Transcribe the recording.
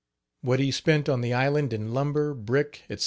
What he spent on the island in lumber, brick, etc.